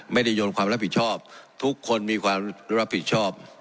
โยนความรับผิดชอบทุกคนมีความรับผิดชอบ